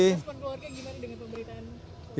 respon keluarga gimana dengan pemberitaan